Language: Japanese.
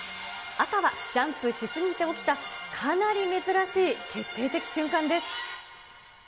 赤はジャンプし過ぎて起きた、かなり珍しい決定的瞬間です。